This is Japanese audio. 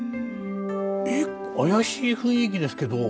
えっ怪しい雰囲気ですけど。